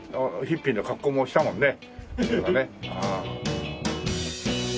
ヒッピーの格好もしたもんね。